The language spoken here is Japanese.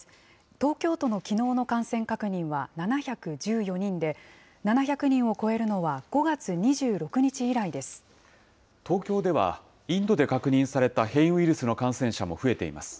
東京都のきのうの感染確認は７１４人で、７００人を超えるのは、東京では、インドで確認された変異ウイルスの感染者も増えています。